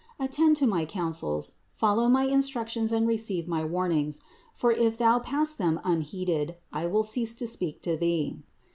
Attend to my counsels, follow my instructions and receive my warnings; for if thou 266 CITY OF GOD pass them by unheeded, I will cease to speak to thee.